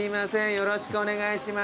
よろしくお願いします。